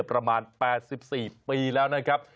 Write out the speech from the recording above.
ประมาณ๘๔ปีแล้วนะครับ